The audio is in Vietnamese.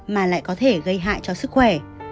mà lại có thể gây hại cho sức khỏe